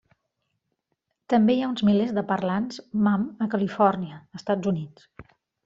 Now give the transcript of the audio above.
També hi ha uns milers de parlants mam a Califòrnia, Estats Units.